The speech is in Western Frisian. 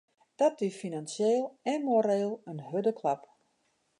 Dat wie finansjeel en moreel in hurde klap.